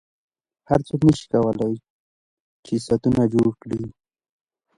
خو هر څوک نشي کولای چې ساعتونه جوړ کړي